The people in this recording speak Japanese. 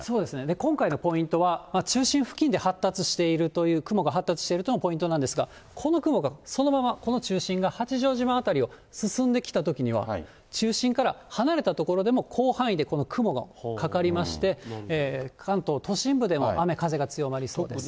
今回のポイントは、中心付近で発達しているという雲が発達しているというのがポイントなんですが、この雲が、そのままこの中心が八丈島辺りを進んできたときには、中心から離れた所でも、広範囲でこの雲がかかりまして、関東都心部でも雨、風が強まりそうです。